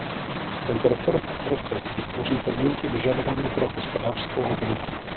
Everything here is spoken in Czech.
Tento reformní proces vytvoří podmínky vyžadované pro hospodářskou obnovu.